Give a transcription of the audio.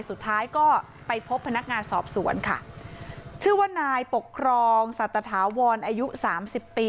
สุดท้ายก็ไปพบพนักงานสอบสวนค่ะชื่อว่านายปกครองสัตถาวรอายุสามสิบปี